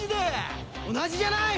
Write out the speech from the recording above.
同じじゃない！